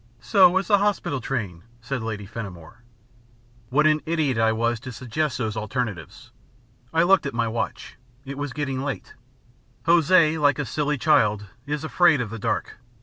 "So is the hospital train," said Lady Fenimore. What an idiot I was to suggest these alternatives! I looked at my watch. It was getting late. Hosea, like a silly child, is afraid of the dark.